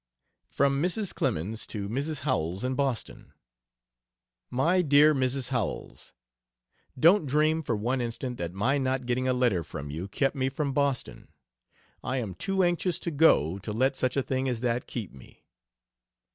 From Mrs. Clemens to Mrs. Howells, in Boston: MY DEAR MRS. HOWELLS, Don't dream for one instant that my not getting a letter from you kept me from Boston. I am too anxious to go to let such a thing as that keep me.